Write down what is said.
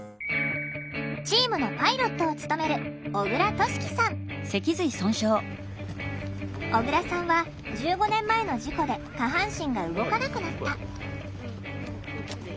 チームのパイロットを務める小倉さんは１５年前の事故で下半身が動かなくなった。